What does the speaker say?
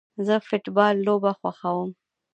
زه فټبال لوبه خوښوم